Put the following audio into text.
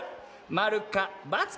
○か×か？